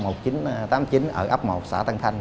ở ngắp một xã tân thành